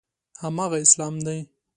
هماغه اسلام دی.